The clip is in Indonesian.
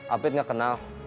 api gak kenal